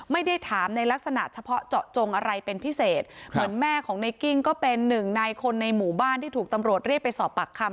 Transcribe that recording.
ไม่ได้ถามในลักษณะเฉพาะเจาะจงอะไรเป็นพิเศษเหมือนแม่ของในกิ้งก็เป็นหนึ่งในคนในหมู่บ้านที่ถูกตำรวจเรียกไปสอบปากคำ